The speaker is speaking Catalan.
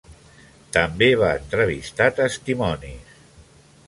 També va entrevistar testimonis.